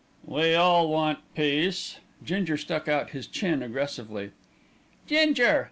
"We all want peace." Ginger stuck out his chin aggressively. "Ginger!"